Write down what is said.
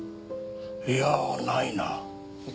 いやぁないな。